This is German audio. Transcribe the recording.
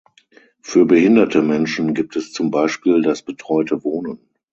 Für behinderte Menschen gibt es zum Beispiel das betreute Wohnen.